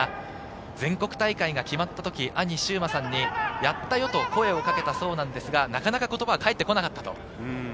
全国大会が決まった時、兄・しゅうまさんに「やったよ」と声をかけたそうですが、なかなか言葉が返ってこなかったと。